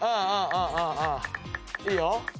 いいよ。